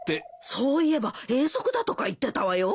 そういえば遠足だとか言ってたわよ。